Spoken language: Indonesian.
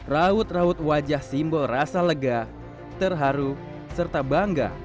raut raut wajah simbol rasa lega terharu serta bangga